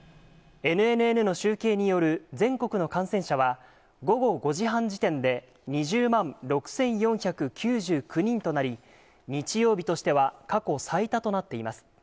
ＮＮＮの集計による全国の感染者は、午後５時半時点で２０万６４９９人となり、日曜日としては過去最多となっています。